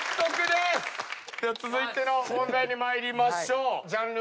では続いての問題に参りましょう。